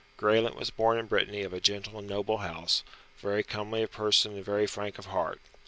Graelent was born in Brittany of a gentle and noble house, very comely of person and very frank of heart.